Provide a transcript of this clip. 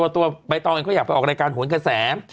ตัวใบตองเขาอยากไปออกรายการโหนกระแส